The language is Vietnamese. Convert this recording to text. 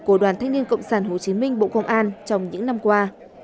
của đoàn thanh niên cộng sản hồ chí minh bộ công an trong những năm qua